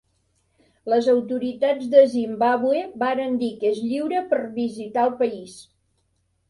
Les autoritats de Zimbàbue varen dir que és lliure per visitar el país.